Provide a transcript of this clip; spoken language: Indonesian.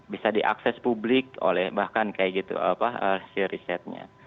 bisa diakses publik oleh bahkan kayak gitu hasil risetnya